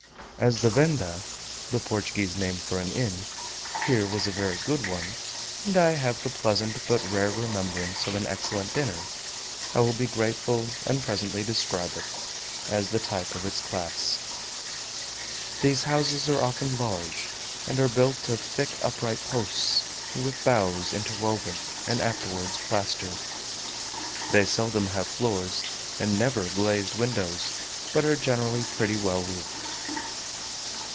As the venda here was a very good one, and I have the pleasant, but rare remembrance, of an excellent dinner, I will be grateful and presently describe it, as the type of its class. These houses are often large, and are built of thick upright posts, with boughs interwoven, and afterwards plastered. They seldom have floors, and never glazed windows; but are generally pretty well roofed.